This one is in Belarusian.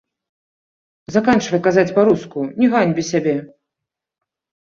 Заканчвай казаць па-руску, не ганьбі сябе!